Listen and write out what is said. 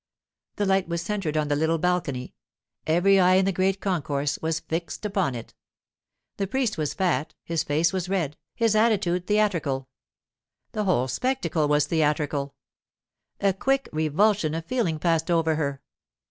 The light was centred on the little balcony; every eye in the great concourse was fixed upon it. The priest was fat, his face was red, his attitude theatrical. The whole spectacle was theatrical. A quick revulsion of feeling passed over her.